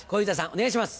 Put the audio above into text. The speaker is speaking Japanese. お願いします。